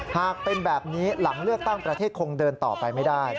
หากเป็นแบบนี้หลังเลือกตั้งประเทศคงเดินต่อไปไม่ได้